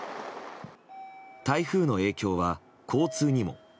台風の影響は交通にも。